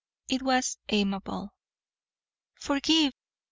It was Amabel. "Forgive!"